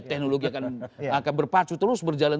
teknologi akan berpacu terus berjalan